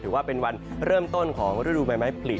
ถือว่าเป็นวันเริ่มต้นของฤดูใบไม้ผลิ